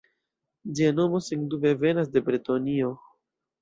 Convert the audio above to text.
Ĝia nomo sendube venas de Bretonio.